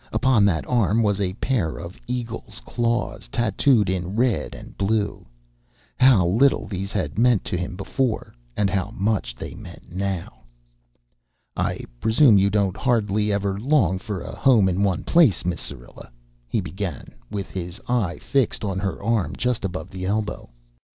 Upon that arm was a pair of eagle's claws, tattooed in red and blue! How little these had meant to him before, and how much they meant now! "I presume you don't hardly ever long for a home in one place, Miss Syrilla," he began, with his eye fixed on her arm just above the elbow.